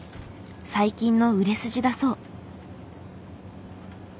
最近の売れ筋だそう。